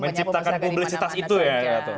menciptakan publisitas itu ya